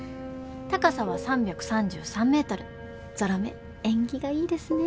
高さは３３３ｍぞろ目縁起がいいですね。